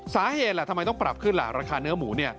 สาเหตุล่ะทำไมต้องปรับขึ้นล่ะราคาเนื้อหมู